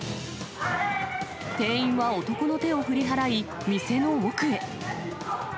店員は男の手を振り払い、店の奥へ。